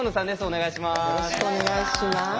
お願いします。